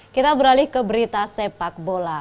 kita beralih ke berita sepak bola